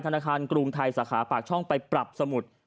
ธนาคารกรุงไทยสาขาปากช่องไปปรับสมุด